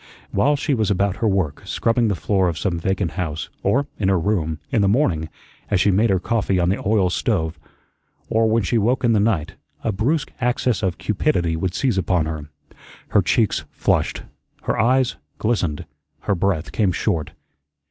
While she was about her work, scrubbing the floor of some vacant house; or in her room, in the morning, as she made her coffee on the oil stove, or when she woke in the night, a brusque access of cupidity would seize upon her. Her cheeks flushed, her eyes glistened, her breath came short.